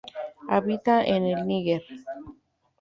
Habita en el Níger.